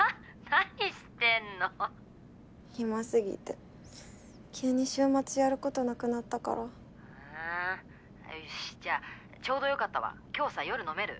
何してんの暇すぎて急に週末やることなくなったからよしじゃあちょうどよかったわ今日さ夜飲める？